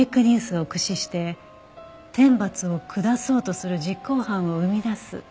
ニュースを駆使して天罰を下そうとする実行犯を生み出す。